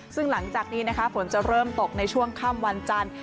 ซึ่งหลังจากนี้นะคะฝนจะเริ่มตกในช่วงค่ำวันจันทร์